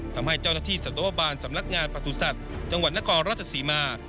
ทำให้เจ้าหน้าที่สัตวบาลสำนักงานประสุทธิ์จังหวัดนครราชศรีมา